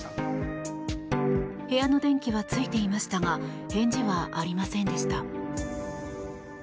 部屋の電気はついていましたが返事はありませんでした。